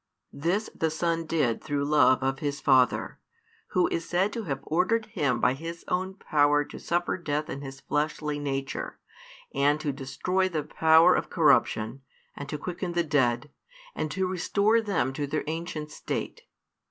This the Son did through love of His Father, Who is said to have ordered Him by His own power to suffer death in His fleshly nature, and to destroy the power of corruption, and to quicken the dead, and to restore them to their ancient state.